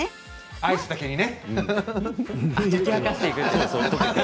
アイスだけにね。